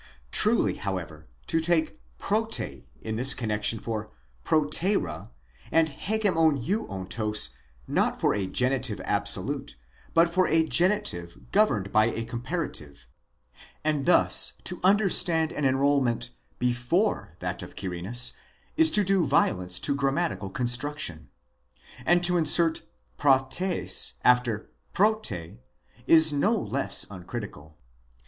Truly, however, to take πρώτη in this connexion for προτέρα, and ἡγεμονεύοντος. K. not for a genitive absolute, but for a genitive governed by a comparative, and thus to understand an enrolment Jdefore that of Quirinus,"° is to do violence to grammatical construction ; and to insert πρὸ τῆς after πρώτη 31 is: is no less uncritical.